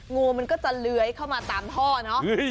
งูมันก็จะเลื้อยเข้ามาตามท่อเนอะ